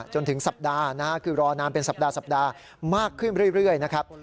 จนถึงสัปดาห์คือรอนานเป็นสัปดาห์มากขึ้นเรื่อยนะครับ